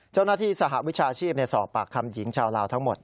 เจ้าหน้าที่สหวิชาชีพในสอบปากคำหญิงชาวลาวทั้งหมด